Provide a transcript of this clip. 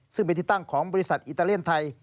ซึ่งเป็นที่ตั้งของบริษัทอิตาเลียนไทย